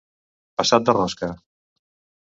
Passat de rosca.